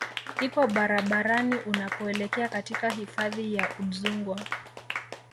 ipo barabarani unapoelekea katika hifadhi ya Udzungwa